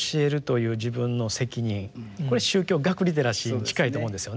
これ宗教学リテラシーに近いと思うんですよね。